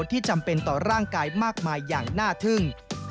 จำเป็นต่อร่างกายมากมายอย่างน่าทึ่ง